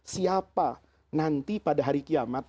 siapa nanti pada hari kiamat